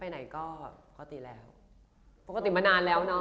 ไหนก็ปกติแล้วปกติมานานแล้วเนอะ